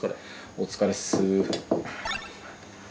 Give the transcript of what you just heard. お疲れっす。